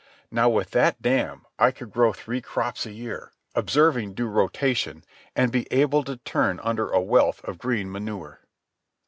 Now with that dam I could grow three crops a year, observing due rotation, and be able to turn under a wealth of green manure.